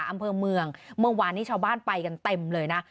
อำเภอเมืองเมื่อวานนี้ชาวบ้านไปกันเต็มเลยนะ